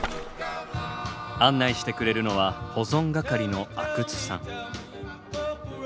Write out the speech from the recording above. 案内してくれるのは保存係の阿久津さん。